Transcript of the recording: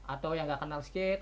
atau yang gak kenal skate